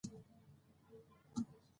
والدین د بدلون غوښتنه کوي.